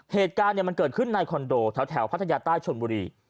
เหตุการณ์มันเกิดขึ้นในคอนโดแถวพัทยาใต้ชนบุรี